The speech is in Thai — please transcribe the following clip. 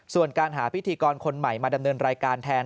ส่วนการหาพิธีกรคนใหม่มาดำเนินรายการแทน